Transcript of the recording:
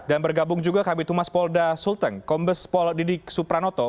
dan bergabung juga kabupaten tumas polda sultan kombes pol didik supranoto